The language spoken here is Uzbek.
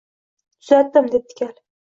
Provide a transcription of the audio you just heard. Тuzatdim, debdi kal